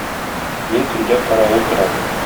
Мин төнлә каравыл торам.